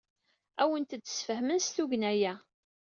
Ad awent-d-sfehmen s tugna-a.